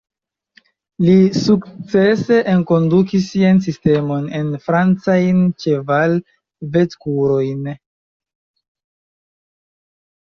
Li sukcese enkondukis sian sistemon en francajn ĉeval-vetkurojn.